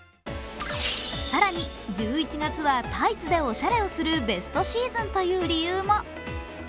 更に１１月はタイツでおしゃれをするベストシーズンという理由も。